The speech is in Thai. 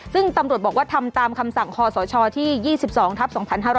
ซึ่งตำรวจบอกว่าทำตามคำสั่งคศที่๒๒ทัพ๒๕๕๙